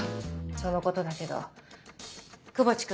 そのことだけど窪地君。